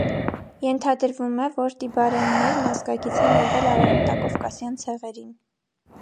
Ենթադրվում է, որ տիբարեններն ազգակից են եղել արեմտակովկասյան ցեղերին։